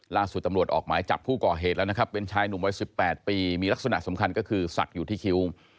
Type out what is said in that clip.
ล่าสุดตำรวจออกหมายจับผู้ก่อเหตุแล้วนะครับเป็นชายหนุ่มวัย๑๘ปีมีลักษณะสำคัญก็คือศักดิ์อยู่ที่คิ้ว